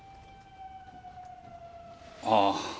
ああ